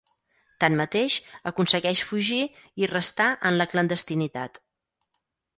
Tanmateix, aconsegueix fugir i restar en la clandestinitat.